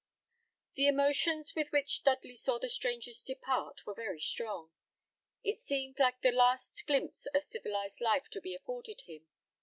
The emotions with which Dudley saw the strangers depart were very strong. It seemed like the last glimpse of civilised life to be afforded him.